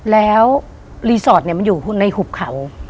แล้วรีสอร์ทมันอยู่ในหุบเขา